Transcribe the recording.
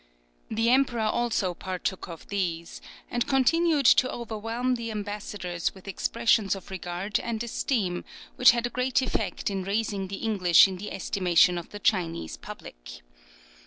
The emperor also partook of these, and continued to overwhelm the ambassadors with expressions of regard and esteem, which had a great effect in raising the English in the estimation of the Chinese public.